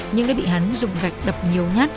nhưng đã bị hắn dùng gạch đập nhiều nhát